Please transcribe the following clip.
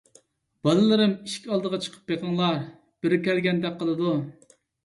بالىلىرىم، ئىشىك ئالدىغا چىقىپ بېقىڭلار، بىرى كەلگەندەك قىلىدۇ.